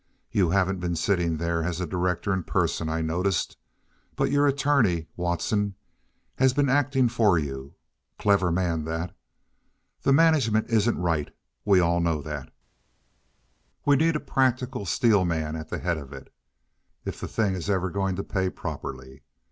You haven't been sitting there as a director in person I notice, but your attorney, Watson, has been acting for you. Clever man, that. The management isn't right—we all know that. We need a practical steel man at the head of it, if the thing is ever going to pay properly.